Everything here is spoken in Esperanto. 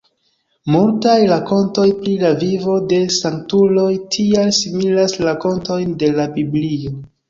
Multaj rakontoj pri la vivo de sanktuloj tial similas rakontojn de la Biblio.